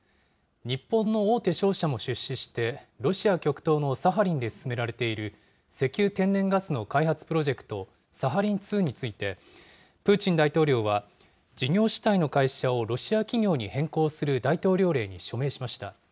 日本の大手商社も出資してロシア極東のサハリンで進められている石油・天然ガスの開発プロジェクト、サハリン２について、プーチン大統領は事業主体の会社をロシア企業に変更する大統領令に署名しました。